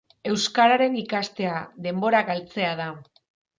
Euskararen ikastea, denbora galtzea da!